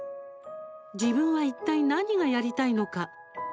自分はいったい何がやりたいのか。